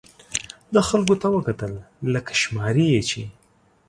ده خلکو ته وکتل، لکه شماري یې چې.